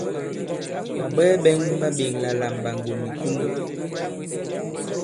Ɓàbwɛɛ bɛ̄ŋ ɓa ɓēkla la Mɓàŋgò ni Kum.